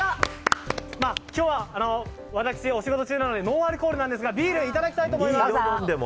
今日は、私、お仕事中なのでノンアルコールなんですがビールいただきたいと思います。